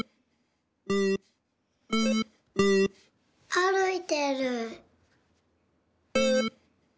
あるいてる。